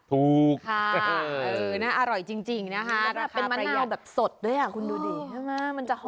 ถูกค่ะอร่อยจริงนะคะราคาประหยัดคุณดูดิมันจะหอม